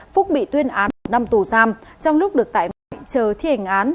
phúc bị tuyên án năm tù giam